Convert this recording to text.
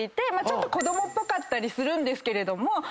ちょっと子供っぽかったりするんですけれども。